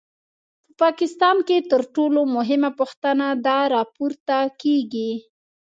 په پاکستان کې تر ټولو مهمه پوښتنه دا راپورته کېږي.